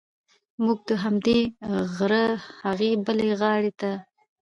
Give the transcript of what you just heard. موږ د همدې غره هغې بلې غاړې ته.